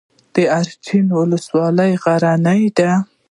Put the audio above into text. د اچین ولسوالۍ غرنۍ ده